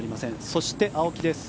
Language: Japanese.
そして、青木です。